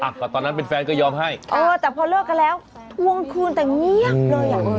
อ่ะก็ตอนนั้นเป็นแฟนก็ยอมให้เออแต่พอเลิกกันแล้วทวงคืนแต่เงียบเลยอ่ะ